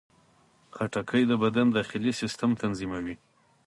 خټکی د بدن داخلي سیستم تنظیموي.